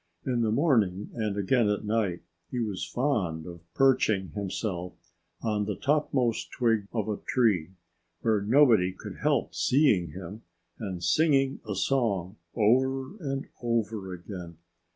In the morning, and again at night, he was fond of perching himself on the topmost twig of a tree, where nobody could help seeing him, and singing a song over and over again.